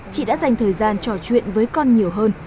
chị đã dành thời gian trò chuyện với con nhiều hơn